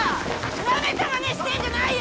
なめたまねしてんじゃないよ！